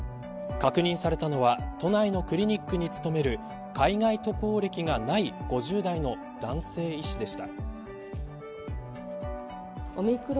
確認されたのは都内のクリニックに勤める海外渡航歴がない５０代の男性医師でした。